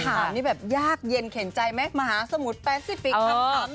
คำถามนี่แบบยากเย็นเข็นใจไหมมหาสมุทรแปซิฟิกส์คำถามโรคนายยก